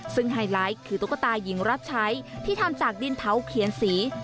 ซึ่งไฮไลท์คือตุ๊กตาหญิงรับใช้ที่ทำจากดินเผาเขียนสี